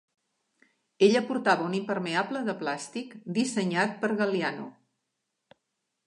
Ella portava un impermeable de plàstic dissenyat per Galliano.